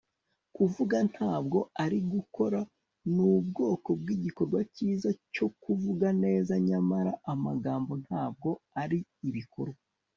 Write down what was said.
kuvuga ntabwo ari gukora. nubwoko bwigikorwa cyiza cyo kuvuga neza; nyamara amagambo ntabwo ari ibikorwa